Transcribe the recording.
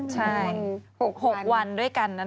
ใช่๖วันด้วยกัน